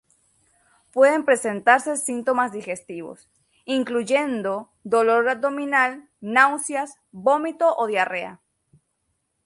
Pueden presentarse síntomas digestivos, incluyendo dolor abdominal, náuseas, vómito o diarrea.